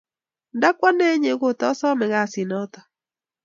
Kot ko ane inye kotasame kasit notok